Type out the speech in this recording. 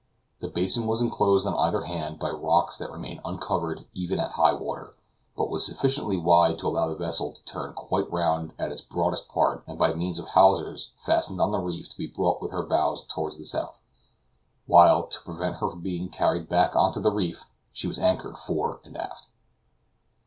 The basin was enclosed on either hand by rocks that remained uncovered even at high water, but was sufficiently wide to allow the vessel to turn quite round at its broadest part, and by means of hawsers fastened on the reef to be brought with her bows towards the south; while, to prevent her being carried back on to the reef, she has been anchored fore and aft.